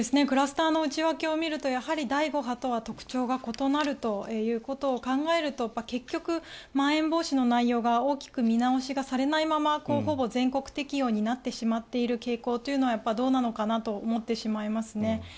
クラスターの内訳を見るとやはり第５波とは特徴が異なるということを考えると結局、まん延防止の内容が大きく見直されないままほぼ全国適用になっている傾向はどうなのかなと思ってしまいますね。